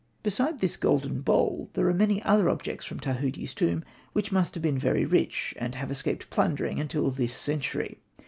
Beside this golden bowl there are many other objects from Tahuti's tomb which must have been very rich, and have escaped plundering until this century.